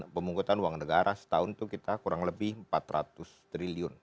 pemungkutan uang negara setahun itu kita kurang lebih empat ratus triliun